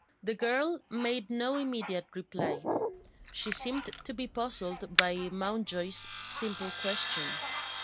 The girl made no immediate reply. She seemed to be puzzled by Mountjoy's simple question.